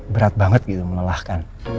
berat banget gitu melelahkan